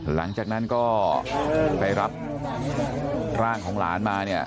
หลังจากนั้นก็ไปรับร่างของหลานมาเนี่ย